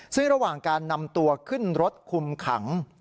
ซึ่งระหว่างการนำตัวขึ้นรถคุมขัง